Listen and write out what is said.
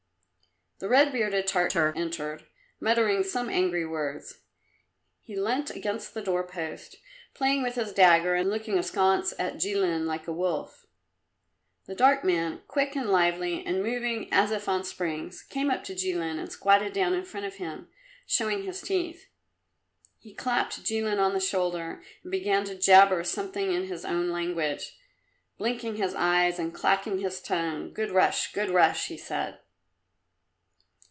The red bearded Tartar entered, muttering some angry words. He leant against the doorpost, playing with his dagger and looking askance at Jilin, like a wolf. The dark man, quick and lively and moving as if on springs, came up to Jilin and squatted down in front of him, showing his teeth. He clapped Jilin on the shoulder and began to jabber something in his own language, blinking his eyes and clacking his tongue. "Good Russ! Good Russ!" he said.